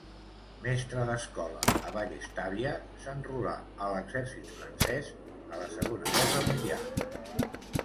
Mestre d'escola a Vallestàvia, s'enrolà a l'exèrcit francès a la segona guerra mundial.